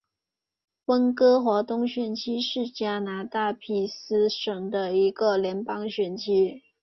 温哥华东选区是加拿大卑诗省的一个联邦选区。